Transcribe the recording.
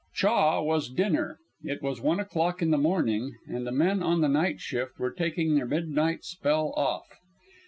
"Chaw" was dinner. It was one o'clock in the morning, and the men on the night shift were taking their midnight spell off.